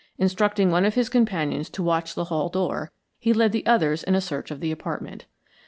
Instructing one of his companions to watch the hall door, he led the others in a search of the apartment.